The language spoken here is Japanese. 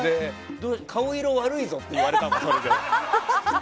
顔色悪いぞって言われた。